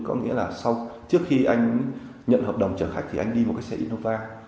có nghĩa là sau trước khi anh nhận hợp đồng chở khách thì anh đi một cái xe innova